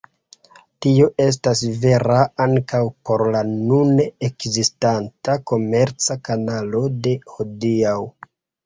Tio estas vera ankaŭ por la nune ekzistanta komerca kanalo de hodiaŭ.